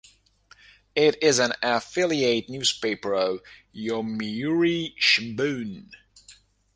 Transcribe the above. It is an affiliate newspaper of "Yomiuri Shimbun".